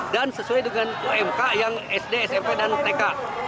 dan sesuai dengan umk yang sd smp dan tk